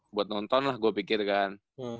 buat nonton lah gua pikir kan